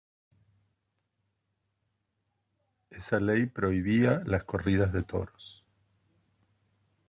Esa Ley prohibía las corridas de toros.